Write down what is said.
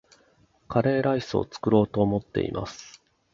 カレーライスを作ろうと思っています